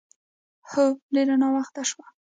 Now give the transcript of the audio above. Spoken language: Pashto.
هو، ډېر ناوخته شوه.